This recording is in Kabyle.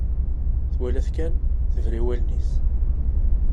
Twala-t kan, tebra i wallen-is.